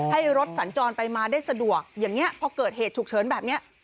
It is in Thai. ให้รถสัญจรไปมาได้สะดวกอย่างนี้พอเกิดเหตุฉุกเฉินแบบนี้